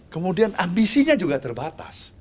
kemudian ambisinya juga terbatas